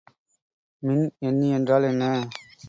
மின் எண்ணி என்றால் என்ன?